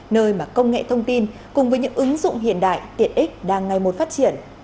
nơi mà công nghệ thông tin cùng với những ứng dụng hiện đại tiện ích đang ngày một phát triển